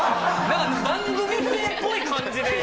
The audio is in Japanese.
なんか番組名っぽい感じで。